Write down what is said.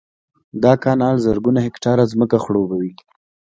دا کانال زرګونه هکټاره ځمکه خړوبوي